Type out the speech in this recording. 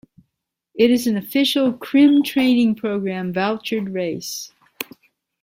It is an official Crim Training Program vouchered race.